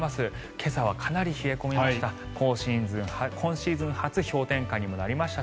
今朝はかなり冷え込みました。